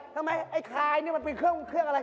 ทำไมไอ้คลายจะเป็นเครื่องมืออะไร